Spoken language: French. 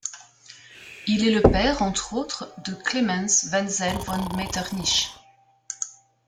Il est le père, entre autres, de Klemens Wenzel von Metternich.